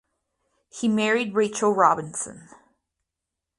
He married Rachel Robinson.